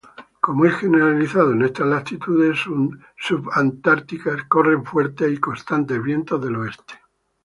Como es generalizado en estas latitudes subantárticas, corren fuertes y constantes vientos del oeste.